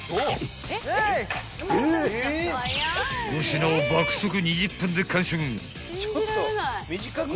［５品を爆速２０分で完食］